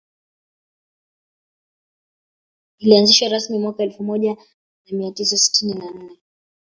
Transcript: Ilianzishwa rasmi mwaka elfu moja na mia tisa sitini na nne